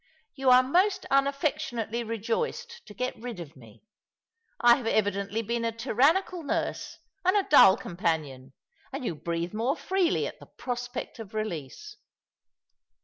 " You are most un affectionately rejoiced to get rid of me. I have evidently been a tyrannical nurse, and a dull companion, and you breathe more freely at the prospect of release."